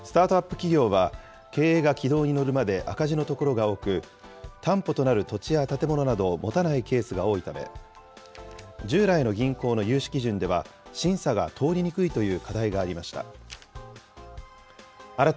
企業は、経営が軌道に乗るまで赤字のところが多く、担保となる土地や建物など持たないケースが多いため、従来の銀行の融資基準では審査が通りにくいという課題がありました。